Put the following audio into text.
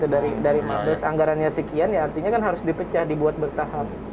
dari mabes anggarannya sekian ya artinya kan harus dipecah dibuat bertahap